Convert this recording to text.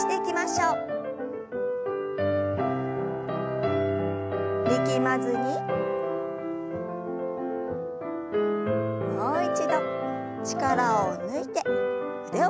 もう一度力を抜いて腕を振りましょう。